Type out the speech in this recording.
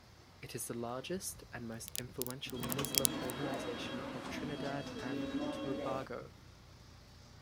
It is the largest and most influential Muslim organisation of Trinidad and Tobago.